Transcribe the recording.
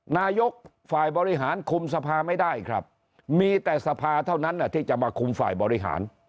นายกฝ่ายบริหารคุมสภาไม่ได้ครับมีแต่สภาเท่านั้นที่จะมาคุมฝ่ายบริหาร